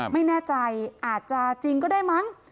ไม่แน่ใจอาจจะจริงก็ได้มั้ง